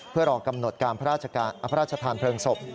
เพื่อรอกำหนดการพระราชทานเพลิงศพ